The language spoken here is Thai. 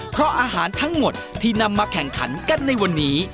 เพราะอาหารทั้งหมดที่นำมาแข่งขันกันในวันนี้